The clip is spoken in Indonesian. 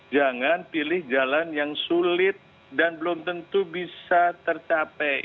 jangan pilih jalan yang sulit dan belum tentu bisa tercapai